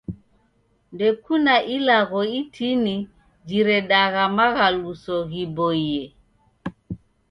Ndekuna ilagho itini jiredagha maghaluso ghiboie.